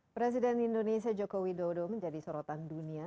presiden indonesia jokowi dodo menjadi sorotan dunia